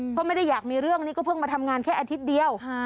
เพราะไม่ได้อยากมีเรื่องนี้ก็เพิ่งมาทำงานแค่อาทิตย์เดียว